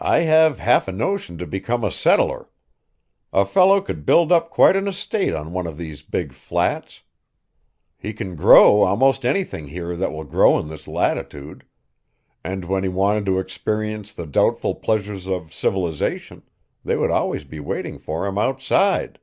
"I have half a notion to become a settler. A fellow could build up quite an estate on one of these big flats. He could grow almost anything here that will grow in this latitude. And when he wanted to experience the doubtful pleasures of civilization, they would always be waiting for him outside."